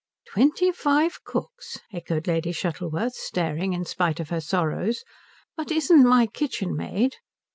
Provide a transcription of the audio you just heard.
"Twenty five cooks?" echoed Lady Shuttleworth, staring in spite of her sorrows. "But isn't my kitchenmaid